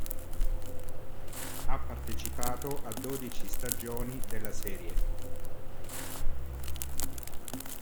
Ha partecipato a dodici stagioni della serie.